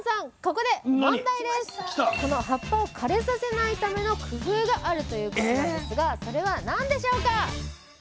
この葉っぱを枯れさせないための工夫があるということなんですがそれは何でしょうか？